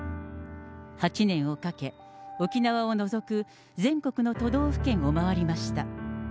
８年をかけ、沖縄を除く全国の都道府県を回りました。